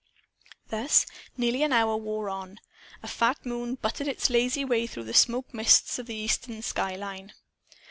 Thus nearly an hour wore on. A fat moon butted its lazy way through the smoke mists of the eastern skyline.